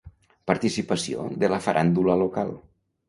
Participació de la faràndula local.